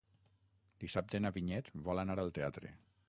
Dissabte na Vinyet vol anar al teatre.